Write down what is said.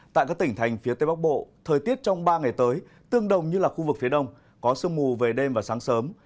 tại các tỉnh thành phía tây bắc bộ thời tiết trong ba ngày tới tương đồng như là khu vực phía đông có sương mù về đêm và sáng sớm